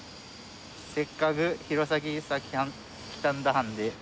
「せっかぐ弘前さ来たんだはんで」